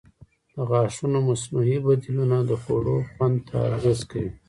د غاښونو مصنوعي بدیلونه د خوړو خوند ته اغېز کوي.